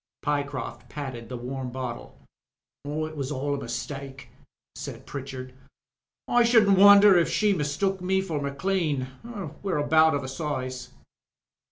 Pyecroft patted the warm bottle. ''It was aU a mistake/' said Pritchard. ''I shouldn't wonder if she mistook me for Maclean. We're about of a size."